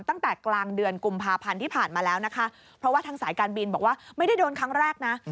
ตั้งแต่กลางเดือนกุมภาพันธ์ที่ผ่านมาแล้วนะคะเพราะว่าทางสายการบินบอกว่าไม่ได้โดนครั้งแรกนะ